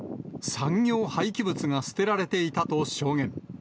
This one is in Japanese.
産業廃棄物が捨てられていたと証言。